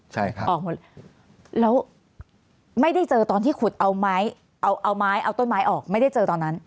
ใช่ครับออกหมดแล้วไม่ได้เจอตอนที่ขุดเอาไม้เอาไม้เอาต้นไม้ออกไม่ได้เจอตอนนั้น